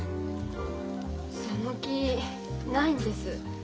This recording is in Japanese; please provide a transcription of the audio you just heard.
その気ないんです。